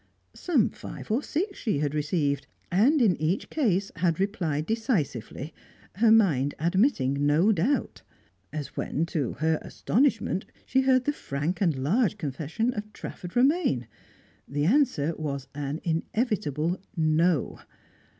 Some five or six she had received, and in each case had replied decisively, her mind admitting no doubt. As when to her astonishment, she heard the frank and large confession of Trafford Romaine; the answer was an inevitable No!